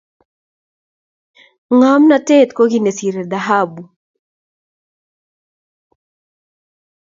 Ngamnotet ko kit ne sirei dhahabu